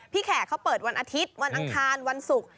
แขกเขาเปิดวันอาทิตย์วันอังคารวันศุกร์